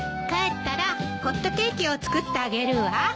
帰ったらホットケーキを作ってあげるわ。